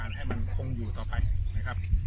และทำเพื่อสาตาไว้ดูดี